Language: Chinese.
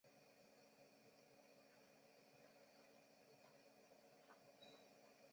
哈皮本德是位于美国阿肯色州波普县的一个非建制地区。